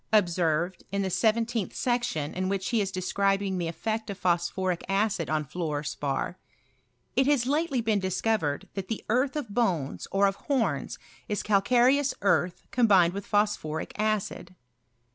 observed, in the seventeenth section, in which he is describing the effect of phosphoric acidonfluor spar, " It has lately been discovered that the earth of bones, or of homs, is calcareous earth combined with phosphoric acid."